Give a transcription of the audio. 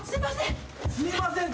すいません。